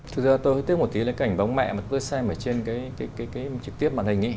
thực ra tôi thích một tí là cái ảnh bóng mẹ mà tôi xem ở trên cái trực tiếp màn hình